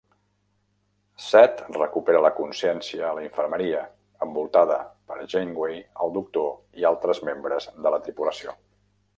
Set recupera la consciència a la infermeria, envoltada per Janeway, el Doctor i altres membres de la tripulació.